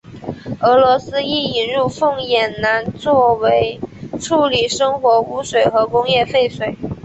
俄罗斯亦引入凤眼蓝作为处理生活污水和工业废水。